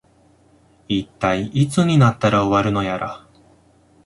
いったい、いつになったら終わるのやら